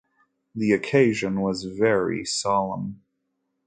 The occasion was very solemn.